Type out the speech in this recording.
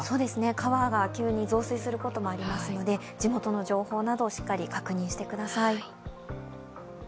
川が急に増水することもありますので地元の情報などをしっかり確認してください。